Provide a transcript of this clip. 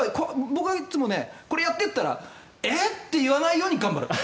僕はいつもこれやってと言われたらえー？といわないように頑張る。